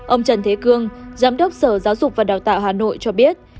ông trần thế cương giám đốc sở giáo dục và đào tạo hà nội cho biết